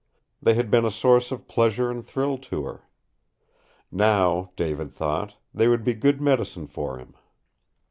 They had been a source of pleasure and thrill to her. Now, David thought, they would be good medicine for him.